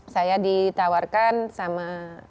saya ditawarkan sama